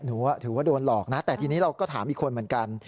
นะแต่ทีนี้เราก็ถามอีกคนเหมือนกัน